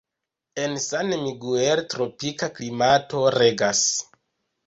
En San Miguel tropika klimato regas.